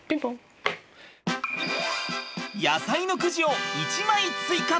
野菜のくじを１枚追加！